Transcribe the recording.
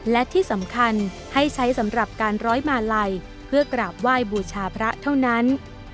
และที่สำคัญให้ใช้สำหรับการร้อยมาลัยเพื่อกราบไหว้บูชาพระเท่านั้น